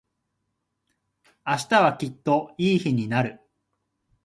明日はきっといい日になる。